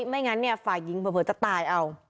ไม่งั้นฝ่ายิงเผลอจะตาย